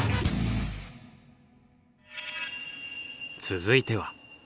続いては。